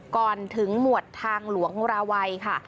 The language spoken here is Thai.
ก่อนถึงหมวดทางหลวงราวัยค่ะ